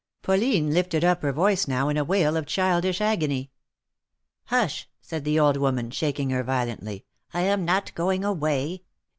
Pauline lifted up her voice, now, in a wail of childish agony. "Hush!" said the old woman, shaking her violently. " I am not going away.